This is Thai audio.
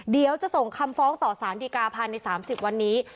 เดี๋ยวจะส่งคำฟ้องต่อสารดิกาภัณฑ์ในสามสิบวันนี้